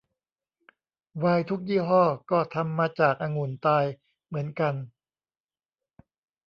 ไวน์ทุกยี่ห้อก็ทำมาจากองุ่นตายเหมือนกัน